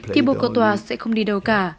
thibaut cottois sẽ không đi đâu cả